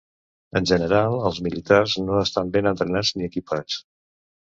En general, els militars no estan ben entrenats ni equipats.